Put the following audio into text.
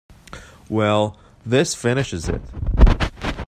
Well, this finishes it.